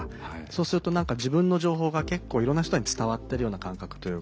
そうすると自分の情報が結構いろんな人に伝わってるような感覚というか。